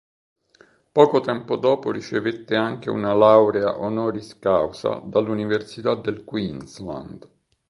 Poco tempo dopo ricevette anche una laurea honoris causa dall'Università del Queensland.